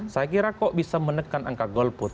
saya kira kok bisa menekan angka golput